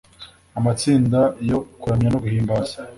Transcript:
amatsinda yo kuramya no guhimbaza